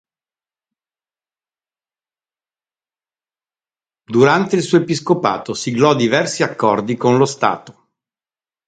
Durante il suo episcopato siglò diversi accordi con lo Stato.